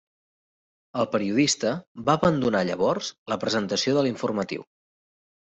El periodista va abandonar llavors la presentació de l'informatiu.